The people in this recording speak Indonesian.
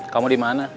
kamu di mana